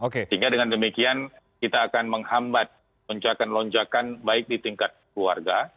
sehingga dengan demikian kita akan menghambat lonjakan lonjakan baik di tingkat keluarga